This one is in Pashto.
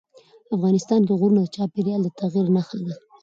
افغانستان کې غرونه د چاپېریال د تغیر نښه ده.